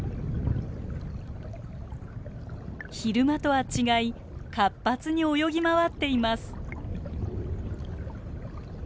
昼間とは違い活発に泳ぎ回っています。